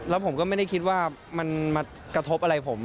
แล้วผมก็ไม่ได้คิดว่ามันมากระทบอะไรผม